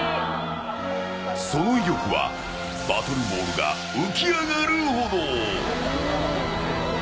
その威力はバトルボールが浮き上がるほど。